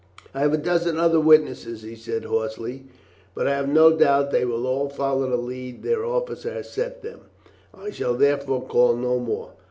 "I have a dozen other witnesses," he said hoarsely, "but I have no doubt they will all follow the lead their officer has set them. I shall therefore call no more."